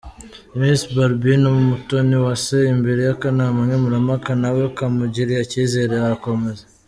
Miss Barbine Umutoniwase imbere y'akanama nkemurampaka, nawe kamugiriye icyizere arakomeza.